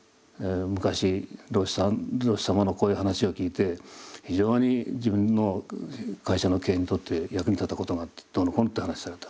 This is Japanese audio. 昔老師様のこういう話を聞いて非常に自分の会社の経営にとって役に立ったことがあってどうのこうのって話された。